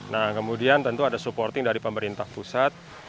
nah kemudian tentu ada supporting dari pemerintah pusat